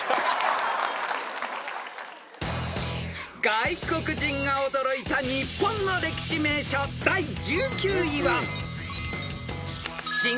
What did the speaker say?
［外国人が驚いた日本の歴史名所第１９位は］